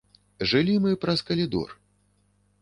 Жылі мы праз калідор.